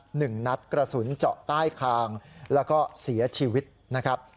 หนึ่งนัดกระสุนเจาะใต้คางแล้วก็เสียชีวิตนะครับ